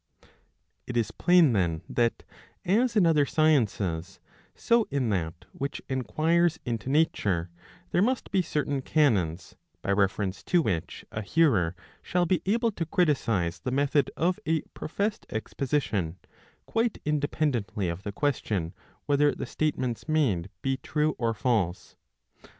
^ It is plain then that, as in other sciences, so in that which enquires into nature, there must be certain canons, by reference to which a hearer shall be able to criticise the method of a professed expo sition, quite independently of the question whether the state ments made be true or false.